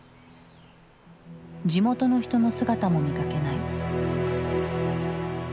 地元の人の姿も見かけない。